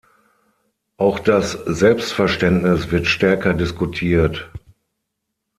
Auch das Selbstverständnis wird stärker diskutiert.